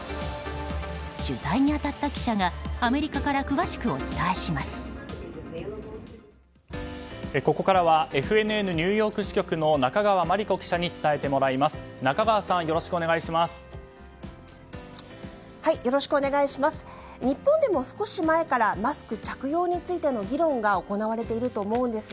取材に当たった記者がアメリカからここからはＦＮＮニューヨーク支局の中川真理子記者に伝えてもらいます。